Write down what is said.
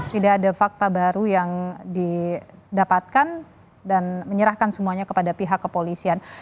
tidak ada fakta baru yang didapatkan dan menyerahkan semuanya kepada pihak kepolisian